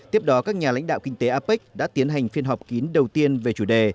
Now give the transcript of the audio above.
tiếp đó các nhà lãnh đạo kinh tế apec đã tiến hành phiên họp kín đầu tiên về chủ đề